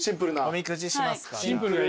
おみくじしますかじゃあ。